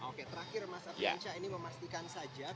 oke terakhir mas afrian shah ini memastikan saja